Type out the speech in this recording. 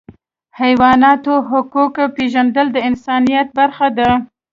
د حیواناتو حقوق پیژندل د انسانیت برخه ده.